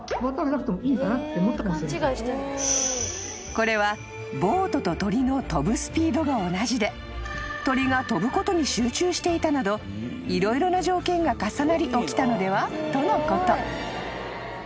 ［これはボートと鳥の飛ぶスピードが同じで鳥が飛ぶことに集中していたなど色々な条件が重なり起きたのでは？とのこと］